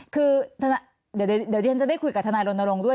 คือเดี๋ยวที่ฉันจะได้คุยกับทนายรณรงค์ด้วย